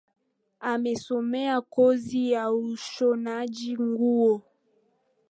Amesomea kozi ya ushonaji nguo